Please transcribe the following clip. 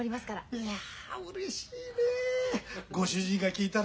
いやうれしいね。